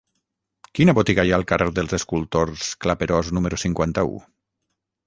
Quina botiga hi ha al carrer dels Escultors Claperós número cinquanta-u?